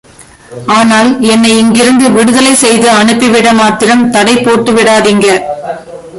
ஆனால், என்னை இங்கிருந்து விடுதலை செய்து அனுப்பிவிட மாத்திரம் தடை போட்டு விடாதீங்க.